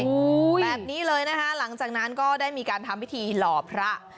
แบบนี้เลยนะคะหลังจากนั้นก็ได้มีการทำพิธีหล่อพระ